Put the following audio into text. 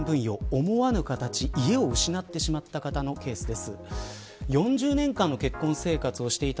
思わぬ形で家を失ってしまった方のケースです。